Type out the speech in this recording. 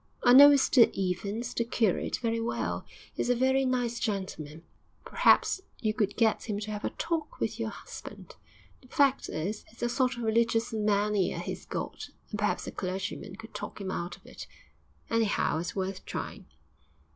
'I know Mr Evans, the curate, very well; he's a very nice gentleman.' 'Perhaps you could get him to have a talk with your husband. The fact is, it's a sort of religious mania he's got, and perhaps a clergyman could talk him out of it. Anyhow, it's worth trying.'